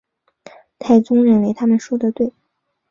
太宗认为他们说得对。